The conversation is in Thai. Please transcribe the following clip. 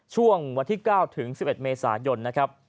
ช่วงวันที่๙ถึง๑๑เมษายนนะครับ